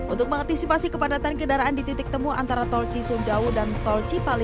untuk mengantisipasi kepadatan kendaraan di titik temu antara tol cisumdawu dan tol cipali